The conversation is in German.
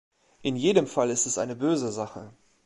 In jedem Fall ist es eine böse Sache.